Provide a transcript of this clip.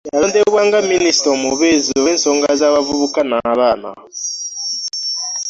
Yalondebwa nga minisita omubeezi olw'ensonga z'abavubuka n'abaana